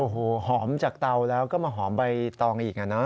โอ้โหหอมจากเตาแล้วก็มาหอมใบตองอีกนะ